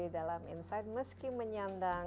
dalam hidup anda